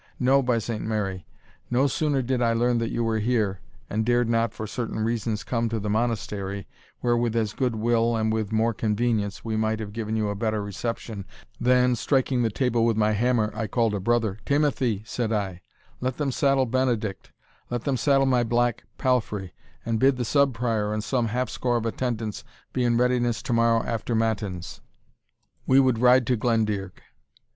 No, by Saint Mary! no sooner did I learn that you were here, and dared not for certain reasons come to the Monastery, where, with as good will, and with more convenience, we might have given you a better reception, than, striking the table with my hammer, I called a brother Timothy, said I, let them saddle Benedict let them saddle my black palfrey, and bid the Sub Prior and some half score of attendants be in readiness tomorrow after matins we would ride to Glendearg.